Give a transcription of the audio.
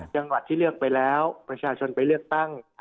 จังหวัดที่เลือกไปแล้วประชาชนไปเลือกตั้ง